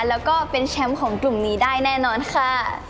แล้วก็เป็นแชมป์ของกลุ่มนี้ได้แน่นอนค่ะ